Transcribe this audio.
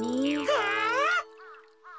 はあ！？